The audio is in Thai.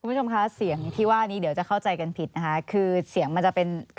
คุณผู้ชมคะเสียงที่ว่านี้เดี๋ยวจะเข้าใจกันผิดนะคะ